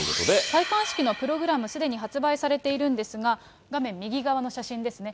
戴冠式のプログラム、すでに発売されているんですが、画面右側の写真ですね。